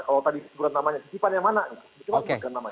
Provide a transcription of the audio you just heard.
kalau tadi berat namanya titipan yang mana